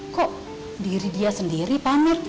kok diri dia sendiri panut